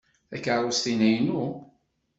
Takeṛṛust-inna inu.